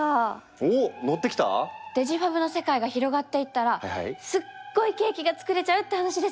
おおのってきた⁉デジファブの世界が広がっていったらすっごいケーキが作れちゃうって話ですよね？